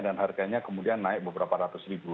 dan harganya kemudian naik beberapa ratus ribu